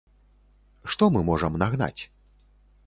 Што мы можам нагнаць?